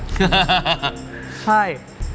ใช่